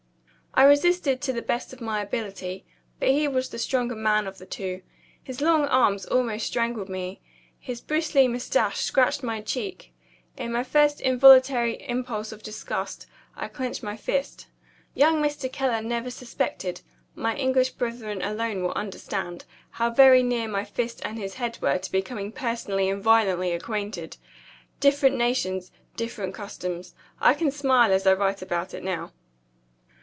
I resisted to the best of my ability but he was the stronger man of the two. His long arms almost strangled me; his bristly mustache scratched my cheek. In my first involuntary impulse of disgust, I clenched my fist. Young Mr. Keller never suspected (my English brethren alone will understand) how very near my fist and his head were to becoming personally and violently acquainted. Different nations different customs. I can smile as I write about it now.